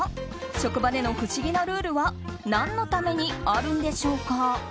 職場での不思議なルールは何のためにあるんでしょうか。